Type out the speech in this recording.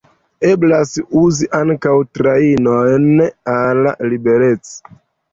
Eblas uzi ankaŭ trajnojn al Liberec.